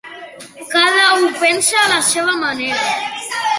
Cada u pensa a la seva manera.